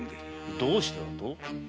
どうしてだと？